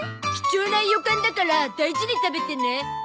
貴重ないよかんだから大事に食べてね。